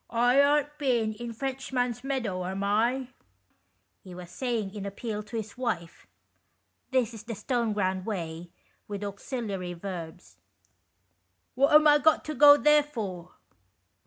" I aren't bin in Frenchman's Meadow, am I ?" he was saying in appeal to his wife— this ia 48 THE rich; pins. the Stoneground way with auxiliary verbs — "What am I got to go there for?"